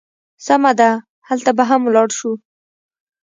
سمه ده، هلته به هم ولاړ شو.